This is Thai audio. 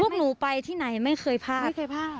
พวกนุไปที่ไหนไม่เคยพลาด